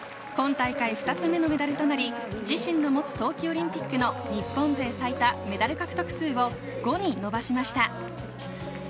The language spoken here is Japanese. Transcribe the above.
今大会２つ目のメダルとなり、自身の持つ冬季オリンピックの日本勢最多メダル獲得数を５に伸ばしました。